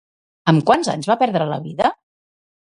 Amb quants anys va perdre la vida?